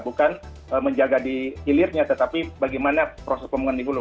bukan menjaga di hilirnya tetapi bagaimana proses pembangunan di hulu